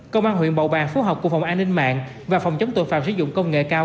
công an huyện bầu bàng phú học của phòng an ninh mạng và phòng chống tội phạm sử dụng công nghệ cao